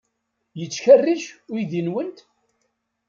Yettkerric uydi-nwent?